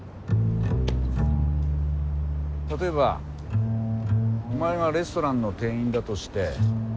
例えばお前がレストランの店員だとして。